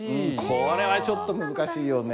これはちょっと難しいよね。